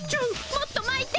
もっとまいて。